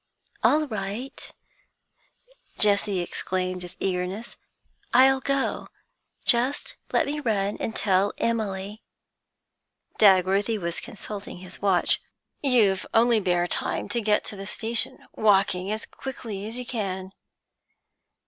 'All right,' Jessie exclaimed with eagerness, 'I'll go. Just let me run and tell Emily ' Dagworthy was consulting his watch. 'You've only bare time to get to the station, walking as quickly as you can?